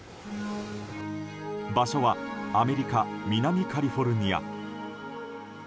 場所はアメリカ南カリフォルニア。